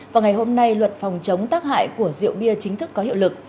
vào ngày hôm nay luật phòng chống tác hại của rượu bia chính thức có hiệu lực